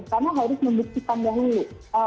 karena harus membuktikan dahulu